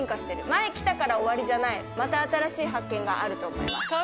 前に来たから終わりじゃない、また新しい発見があると思います。